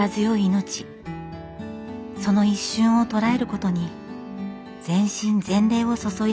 その一瞬を捉えることに全身全霊を注いでいます。